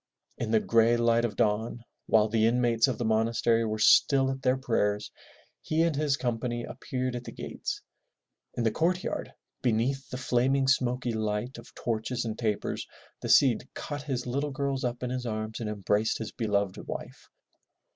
In the gray light of dawn, while the inmates of the monastery were still at their prayers, he and his company appeared at the gates. In the courtyard, beneath the flaming smoky light of torches and tapers, the Cid caught his little girls up in his arms and embraced his beloved wife.